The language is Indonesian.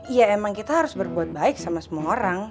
ya emang kita harus berbuat baik sama semua orang